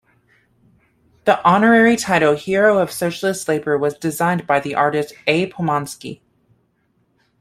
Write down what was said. The Honorary title "Hero of Socialist Labour" was designed by the artist A. Pomansky.